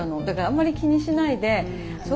だからあんまり気にしないで。